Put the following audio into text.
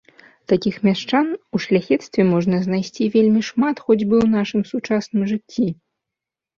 Такіх мяшчан у шляхецтве можна знайсці вельмі шмат хоць бы ў нашым сучасным жыцці.